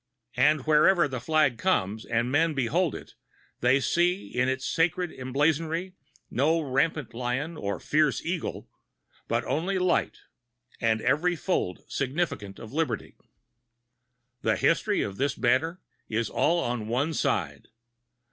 And wherever the flag comes, and men behold it, they see in its sacred emblazonry no rampant lion and fierce eagle, but only light, and every fold significant of liberty. The history of this banner is all on one side.